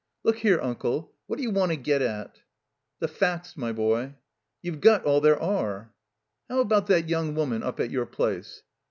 "Look here, Unde, what d'you want to gpt at?" "The facts, my boy." "You've got all there are." How about that young woman up at your place